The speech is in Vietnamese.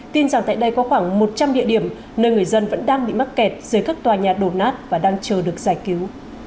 tin rằng tại đây có khoảng một trăm linh địa điểm nơi người dân vẫn đang bị mắc kẹt dưới các tòa nhà đổ nát và đang chờ được giải cứu